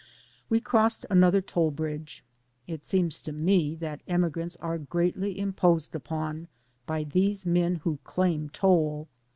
We crossed another toll bridge. It seems to me that emigrants are greatly imposed upon by these men who claim toll.